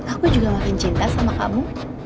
aku juga makin cinta sama kamu